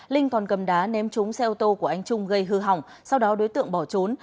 linh còn cầm đá ném trúng xe ô tô của anh trung gây hư hỏng sau đó đối tượng bỏ trốn